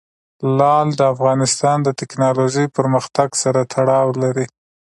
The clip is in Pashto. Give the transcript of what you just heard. لعل د افغانستان د تکنالوژۍ پرمختګ سره تړاو لري.